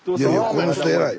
この人偉い。